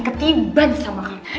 ketiban sama kamu